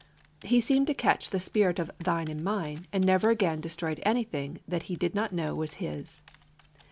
He seemed to catch the spirit of "thine and mine, ,, and never again destroyed anything that he did not know was his.